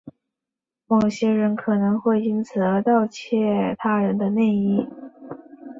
某些人可能会因此而窃盗他人的内衣。